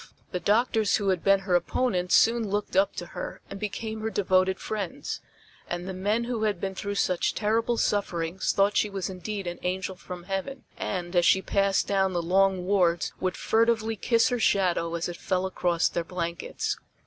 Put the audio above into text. The doctors who had been her opponents soon looked up to her and became her devoted friends, and the men who had been through such terrible sufferings thought she was indeed an angel from heaven, and, as she passed down the long wards would furtively kiss her shadow as it fell across their blankets.